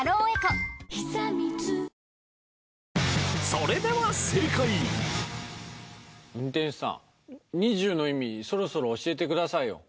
それではそれでは運転手さんニジュウの意味そろそろ教えてくださいよ。